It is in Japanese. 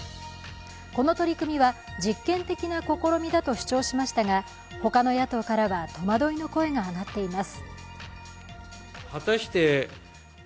この取り組みは実験的な試みだと主張しましたが他の野党からは、戸惑いの声が上がっています。